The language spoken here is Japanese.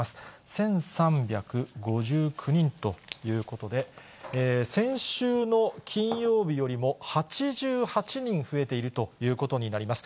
１３５９人ということで、先週の金曜日よりも８８人増えているということになります。